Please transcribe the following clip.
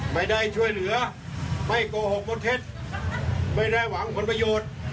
ไม่ได้ช่วยเหลือไม่โกหกบนเท็จไม่ได้หวังผลประโยชน์